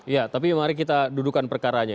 ya tapi mari kita dudukan perkaranya